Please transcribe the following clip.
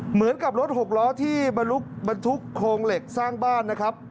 เหมือนกับรถหกล้อที่บรรทุกโครงเหล็กสร้างบ้านนะครับ